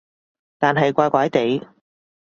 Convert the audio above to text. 但係怪怪地